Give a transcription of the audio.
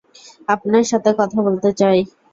আপনার সাথে কথা বলতে চাই।